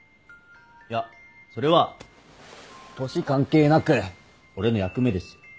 いやそれは年関係なく俺の役目です。